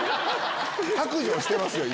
白状してますよ